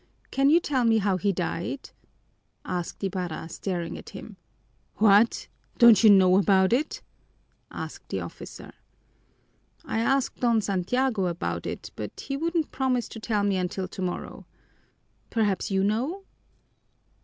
Can you tell me how he died?" asked Ibarra, staring at him. "What! Don't you know about it?" asked the officer. "I asked Don Santiago about it, but he wouldn't promise to tell me until tomorrow. Perhaps you know?"